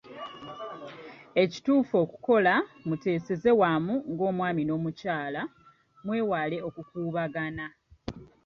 Ekituufu okukola, muteeseze wamu ng’omwami n’omukyala mwewala okukuubagana.